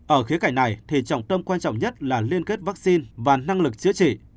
ở khía cảnh này thì trọng tâm quan trọng nhất là liên kết vaccine và năng lực chữa trị